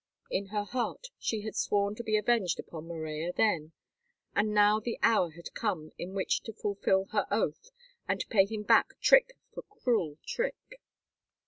In her heart she had sworn to be avenged upon Morella then, and now the hour had come in which to fulfil her oath and play him back trick for cruel trick.